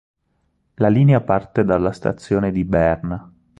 La linea parte dalla stazione di Berna.